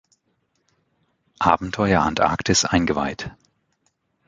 Abenteuer Antarktis" eingeweiht.